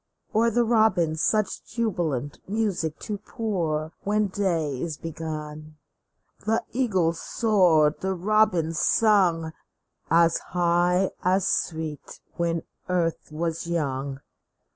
Or the robin such jubilant music to pour When day is begun ? The eagles soared, the robins sung, As high, as sweet, when earth was young